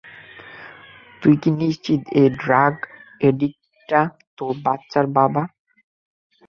তুই কী নিশ্চিত এই ড্রাগ এডিক্টটা তোর বাচ্চার বাবা?